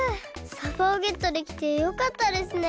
さばをゲットできてよかったですね。